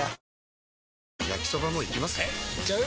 えいっちゃう？